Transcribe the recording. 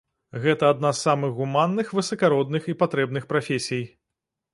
Гэта адна з самых гуманных, высакародных і патрэбных прафесій.